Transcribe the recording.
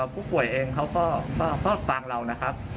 ผู้ป่วยเองเขาก็ฟังเรานะครับ